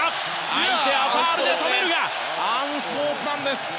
相手はファウルで止めるがアンスポーツマンです。